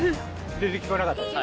全然聞こえなかった？